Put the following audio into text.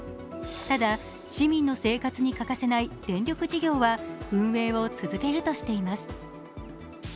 ただ、市民の生活に欠かせない電力事業は運営を続けるとしています。